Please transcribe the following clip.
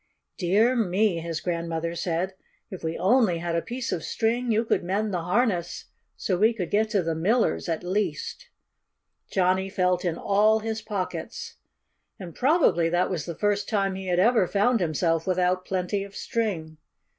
"Dear me!" his grandmother said. "If we only had a piece of string you could mend the harness so we could get to the miller's, at least." Johnnie felt in all his pockets. And probably that was the first time he had ever found himself without plenty of string.